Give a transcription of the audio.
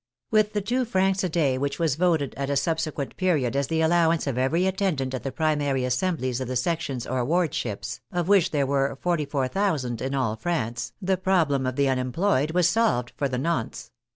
With the two francs a day which was voted at a sub sequent period as the allowance of every attendant at the primary assemblies of the sections or wardships, of which there were 44,000 in all France, the problem of the unemployed was solved for the nonce.